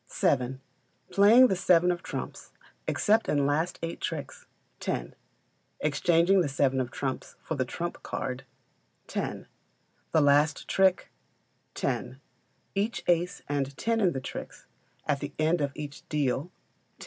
vii. Playing the seven of trumps except in last eight tricks 10; exchanging the seven of trumps for the trump card 10; the last trick 10; each ace and ten in the tricks at the end of each deal 10.